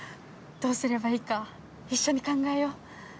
どうすればいいか一緒に考えよう。